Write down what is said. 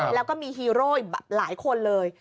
แล้วก็มีฮีโร่แบบหลายคนเลย